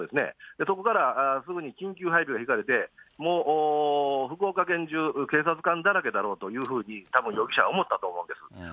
そこからすぐに緊急配備を敷かれて、もう福岡県じゅう、警察官だらけだろうというふうに、たぶん、容疑者は思ったと思うんです。